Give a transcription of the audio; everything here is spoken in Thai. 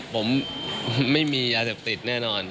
ผมไม่มียาเสพติดแน่นอน